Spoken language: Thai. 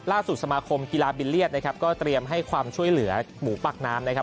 ล่าสุดสมาคมกีฬาบิเลียดก็เตรียมให้ความช่วยเหลือหมูปากน้ำ